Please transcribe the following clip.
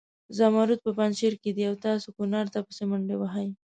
زمرود په پنجشیر کې دي او تاسې کنړ ته پسې منډې وهئ.